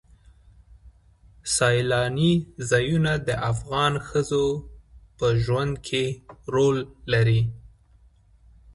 سیلانی ځایونه د افغان ښځو په ژوند کې رول لري.